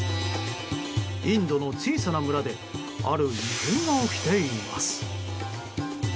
インドの小さな村である異変が起きています。